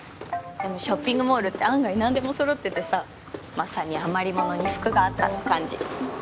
でもショッピングモールって案外なんでもそろっててさまさに余りものに福があったって感じ。